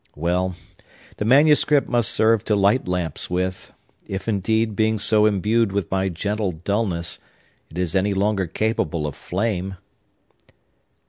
Well, the manuscript must serve to light lamps with;—if, indeed, being so imbued with my gentle dulness, it is any longer capable of flame!"